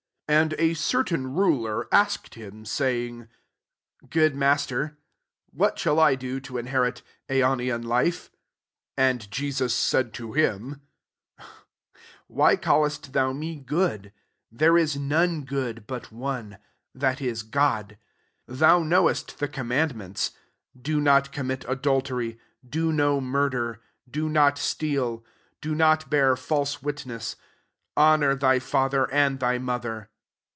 18 And a certain ruler asked him, saying, "Good Master, what shall I do to inherit aio oian life V* 19 and Jesus said to him, " Why callest thou me good ? there U none good, but one, thai ia God. 20 Thou knowest the commandments, < Do not commit adultery : Do no murder: Do not steal: Do not bear false witness : Honour thy father and [thy'] mother.'